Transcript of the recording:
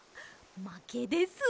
まけです！